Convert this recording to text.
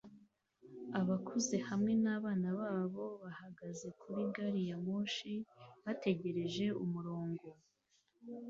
Abakuze hamwe nabana babo bahagaze kuri gari ya moshi bategereje umurongo